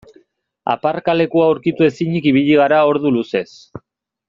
Aparkalekua aurkitu ezinik ibili gara ordu luzez.